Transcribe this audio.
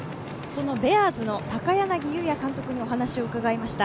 ベアーズの高柳祐也監督にお話を伺いました。